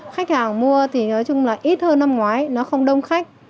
khách hàng mua thì nói chung là ít hơn năm ngoái nó không đông khách